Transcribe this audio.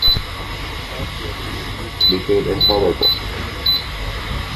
Arsacius' position became intolerable.